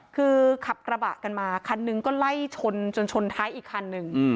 คือขับกระบะกันมาคันหนึ่งก็ไล่ชนจนชนท้ายอีกคันหนึ่ง